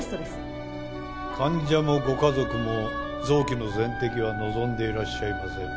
患者もご家族も臓器の全摘は望んでいらっしゃいません。